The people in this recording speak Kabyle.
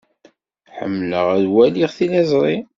Ḥemmleɣ ad waliɣ tiliẓri.